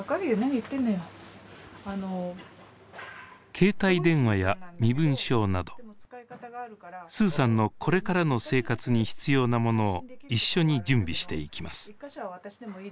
携帯電話や身分証などスーさんのこれからの生活に必要なものを一緒に準備していきます。